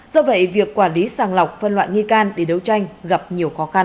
do vậy việc quản lý sàng lọc phân loại nghi can để đấu tranh gặp nhiều khó khăn